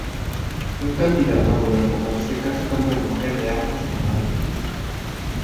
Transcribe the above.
Un candidato a gobernador se casa con una mujer de armas tomar.